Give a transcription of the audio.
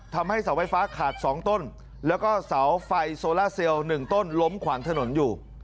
ทำให้เสาไฟฟ้าขาด๒ต้นแล้วก็เสาไฟโซล่าเซลล๑ต้นล้มขวางถนนอยู่